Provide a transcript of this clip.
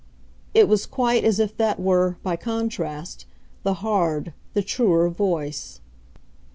it was quite as if that were, by contrast, the hard, the truer voice.